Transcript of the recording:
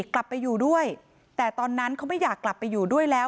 กลับไปอยู่ด้วยแต่ตอนนั้นเขาไม่อยากกลับไปอยู่ด้วยแล้ว